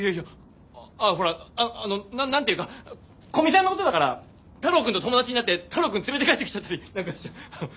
あほらあの何て言うか古見さんのことだから太郎くんと友達になって太郎くん連れて帰ってきちゃったり何かしちゃ。